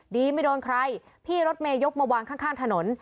ไม่โดนใครพี่รถเมยกมาวางข้างถนน